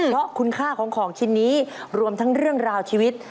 เพราะคุณค่าของของชิ้นนี้รวมทั้งเรื่องราวชีวิต